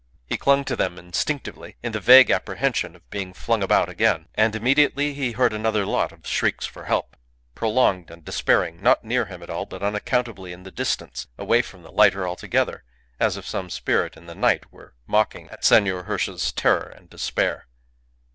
He clung to them instinctively, in the vague apprehension of being flung about again; and immediately he heard another lot of shrieks for help, prolonged and despairing, not near him at all, but unaccountably in the distance, away from the lighter altogether, as if some spirit in the night were mocking at Senor Hirsch's terror and despair.